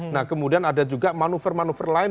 nah kemudian ada juga manuver manuver lain